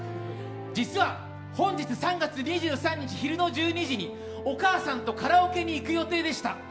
実は本日３月２３日昼の１２時にお母さんとカラオケに行く予定でした。